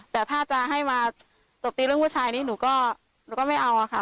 แต่ถ้าจะให้มาตบตีเรื่องผู้ชายนี้หนูก็หนูก็ไม่เอาค่ะ